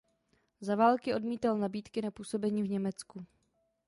Za války odmítal nabídky na působení v Německu.